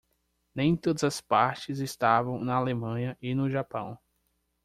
Nem todas as partes estavam na Alemanha e no Japão.